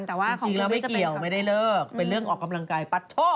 บ๊วยก่อนแหละไม่เกี่ยวไม่ได้เลิกเป็นเรื่องออกกำลังกายปัดโทษ